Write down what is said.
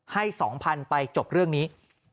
ให้๒พันธุ์ไปจบเรื่องนี้